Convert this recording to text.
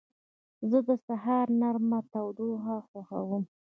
زه د سهار نرمه تودوخه خوښوم.